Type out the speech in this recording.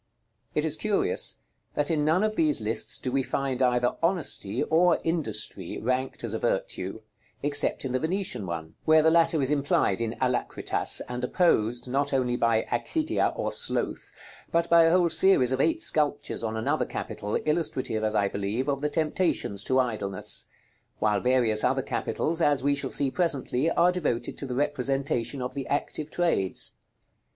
It is curious, that in none of these lists do we find either Honesty or Industry ranked as a virtue, except in the Venetian one, where the latter is implied in Alacritas, and opposed not only by "Accidia" or sloth, but by a whole series of eight sculptures on another capital, illustrative, as I believe, of the temptations to idleness; while various other capitals, as we shall see presently, are devoted to the representation of the active trades.